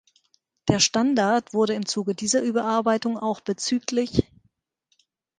Der Standard wurde im Zuge dieser Überarbeitung auch bzgl.